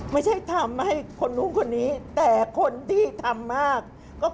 ไม่ใช่ทำให้คนนู้นคนนี้แต่คนที่ทำมากก็คือ